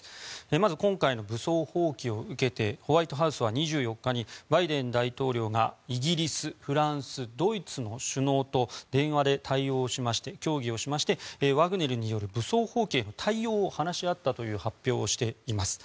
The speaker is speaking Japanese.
まず今回の武装蜂起を受けてホワイトハウスは２４日にバイデン大統領がイギリス、フランスドイツの首脳と電話で対応しまして協議をしましてワグネルによる武装蜂起への対応を話し合ったという発表をしています。